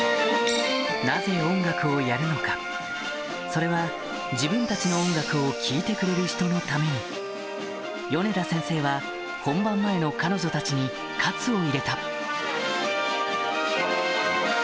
それは自分たちの音楽を聴いてくれる人のために米田先生は本番前の彼女たちに活を入れた